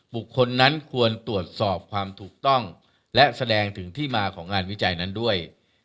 บุคคลนั้นควรตรวจสอบความถูกต้องและแสดงถึงที่มาของงานวิจัยนั้นด้วย